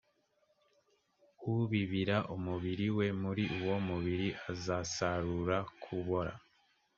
ubibira umubiri we muri uwo mubiri azasarura kubora